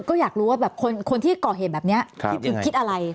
ก็อยากรู้ว่าแบบคนที่ก่อเหตุแบบนี้คิดอะไร